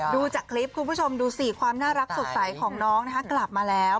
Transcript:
ดูจากคลิปคุณผู้ชมดูสิความน่ารักสดใสของน้องกลับมาแล้ว